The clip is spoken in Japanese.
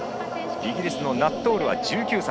イギリスのナットールは１９歳。